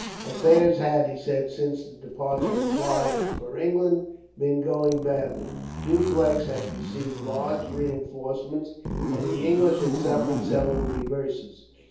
Affairs had, he said, since the departure of Clive for England, been going badly. Dupleix had received large reinforcements, and the English had suffered several reverses.